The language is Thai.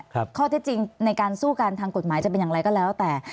ข้อเท็จจริงในการสู้กันทางกฎหมายจะเป็นอย่างไรก็แล้วแต่